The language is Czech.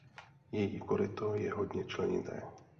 Její koryto je hodně členité.